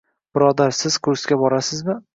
Birodar, siz kursga borasizmi?